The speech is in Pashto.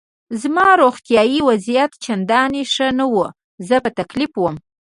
زما روغتیایي وضعیت چندان ښه نه و، زه په تکلیف وم.